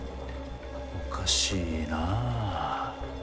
おかしいなあ。